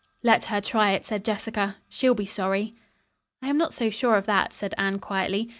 "Let her try it," said Jessica, "She'll be sorry." "I am not so sure of that," said Anne quietly.